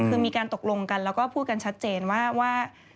คือมีการตกลงกันแล้วก็พูดกันชัดเจนว่า